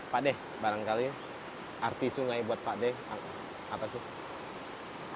pak deh barangkali arti sungai buat pak deh apa sih